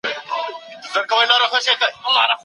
هغه د خپلې کارکوونکې د زحمتونو قدر کاوه.